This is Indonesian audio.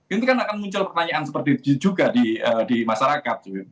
itu kan akan muncul pertanyaan seperti itu juga di masyarakat